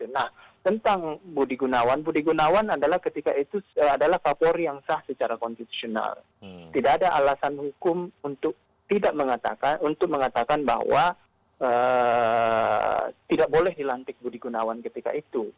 nah tentang budi gunawan budi gunawan adalah ketika itu adalah kapolri yang sah secara konstitusional tidak ada alasan hukum untuk tidak mengatakan untuk mengatakan bahwa tidak boleh dilantik budi gunawan ketika itu